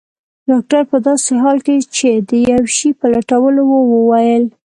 ډاکټر په داسې حال کې چي د یو شي په لټولو وو وویل.